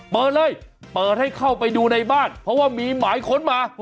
เปิดเลยเปิดให้เข้าไปดูในบ้านเพราะว่ามีหมายค้นมา